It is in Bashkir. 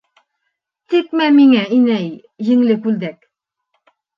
Текмә миңә, инәй, еңле күлдәк